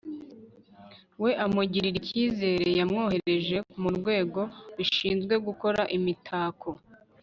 we amugirira ikizere. yamwohereje mu rwego rushinzwe gukora imitako